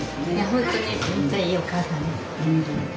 本当にむっちゃいいお母さんです。